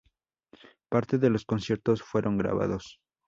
Parte de los conciertos fueron grabados.